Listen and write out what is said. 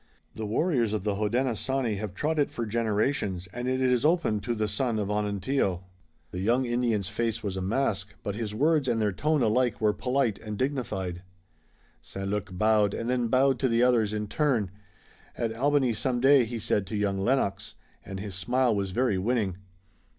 The warriors of the Hodenosaunee have trod it for generations, and it is open to the son of Onontio." The young Indian's face was a mask, but his words and their tone alike were polite and dignified. St. Luc bowed, and then bowed to the others in turn. "At Albany some day," he said to young Lennox, and his smile was very winning.